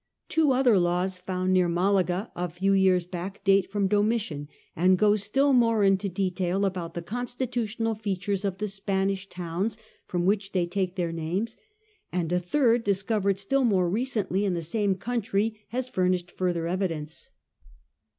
Two other laws found near Malaga a few years back date from Domitian, and go still more into detail about the constitutional features of the Spanish towns, from which they take theii names ; and a third, discovered still more recently in the same country, has furnished further evidence.